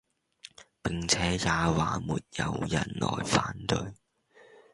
並且也還沒有人來反對，